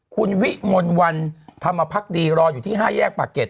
คุณวิมลวันธรรมพักดีรออยู่ที่๕แยกปากเกร็